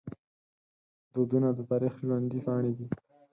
دودونه د تاریخ ژوندي پاڼې دي.